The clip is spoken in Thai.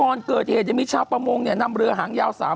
ก่อนเกิดเหตุยังมีชาวประมงเนี่ยนำเรือหางยาว